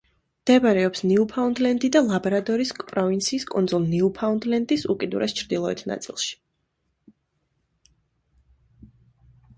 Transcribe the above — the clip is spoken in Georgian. მდებარეობს ნიუფაუნდლენდი და ლაბრადორის პროვინციის კუნძულ ნიუფაუნდლენდის უკიდურეს ჩრდილოეთ ნაწილში.